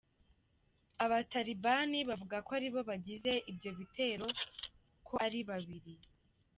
Abatalibani bavuga ko ari bo bagize ivyo bitero ko ari bibiri.